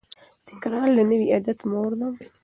تکرار د نوي عادت مور ده.